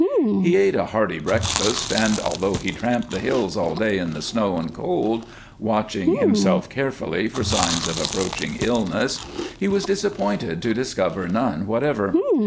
He ate a hearty breakfast, and, although he tramped the hills all day in the snow and cold, watching himself carefully for signs of approaching illness, he was disappointed to discover none whatever.